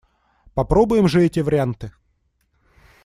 Попробуем же эти варианты!